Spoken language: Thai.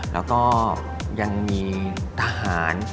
แล้วก็ยังมีทหาร